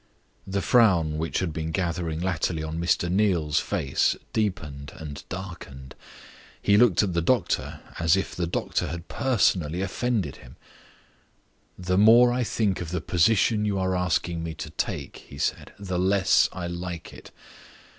The frown which had been gathering latterly on Mr. Neal's face deepened and darkened. He looked at the doctor as if the doctor had personally offended him. "The more I think of the position you are asking me to take," he said, "the less I like it.